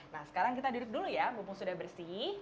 nah sekarang kita duduk dulu ya bumbu sudah bersih